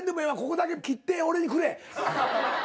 ここだけ切って俺にくれ。